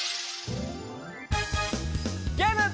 ゲーム。